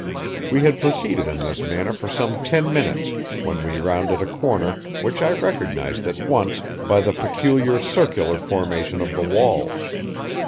We had proceeded in this manner for some ten minutes when we rounded a corner which I recognized at once by the peculiar circular formation of the walls.